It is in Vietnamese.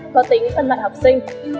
có tính phân mặt học sinh